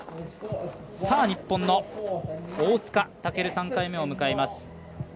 日本の大塚健、３回目を迎えます。